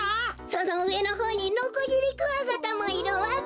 そのうえのほうにノコギリクワガタもいるわべ！